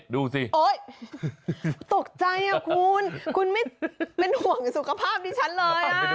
ดูสิโอ๊ยตกใจคุณคุณไม่เป็นห่วงสุขภาพดิฉันเลย